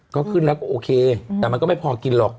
ก็ขึ้นแล้วก็โอเคแต่มันก็ไม่พอกินหรอก